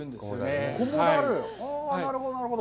なるほど、なるほど。